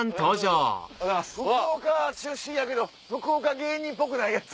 福岡出身やけど福岡芸人っぽくないヤツ。